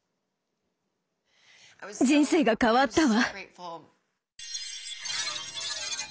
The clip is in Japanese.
人生が変わったわ。